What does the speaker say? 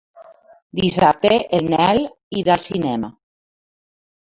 Dissabte en Nel irà al cinema.